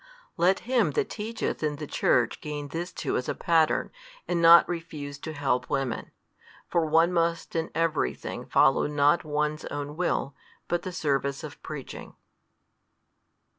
Let him that teacheth in the Church gain this too as a pattern, and not refuse to help women. For one must in every thing follow not one's own will, but the service of preaching.